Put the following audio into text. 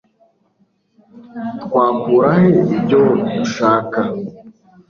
twakura he ibyo dushaka